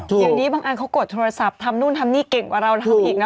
เดี๋ยวนี้บางอันเขากดโทรศัพท์ทำนู่นทำนี่เก่งกว่าเราทำอีกนะ